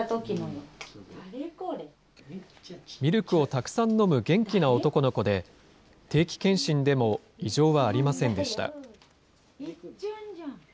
ミルクをたくさん飲む元気な男の子で、定期健診でも異常はありませんでした。